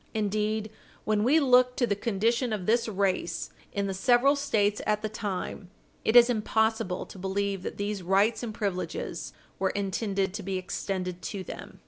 Indeed, when we look to the condition of this race in the several States at the time, it is impossible to believe that these rights and privileges were intended to be extended to them.